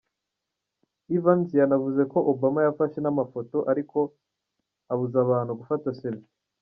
Evans yanavuze ko Obama yafashe n’amafoto ariko abuza abantu gufata ‘selfie’.